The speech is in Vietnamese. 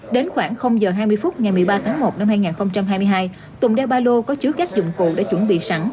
đến khoảng h hai mươi phút ngày một mươi ba tháng một năm hai nghìn hai mươi hai tùng đeo ba lô có chứa các dụng cụ để chuẩn bị sẵn